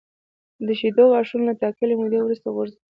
د شېدو غاښونه له یوې ټاکلې مودې وروسته غورځي.